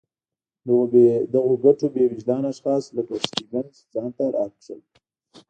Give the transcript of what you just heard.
دغو ګټو بې وجدان اشخاص لکه سټیونز ځان ته راکاږل.